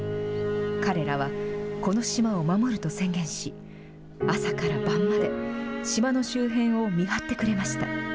彼らはこの島を守ると宣言し、朝から晩まで、島の周辺を見張ってくれました。